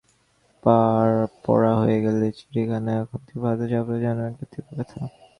পড়া হয়ে গেলে চিঠিখানা এমন করে হাতে চাপলে যেন সে একটা তীব্র ব্যথা।